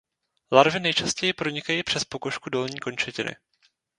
Larvy nejčastěji pronikají přes pokožku dolní končetiny.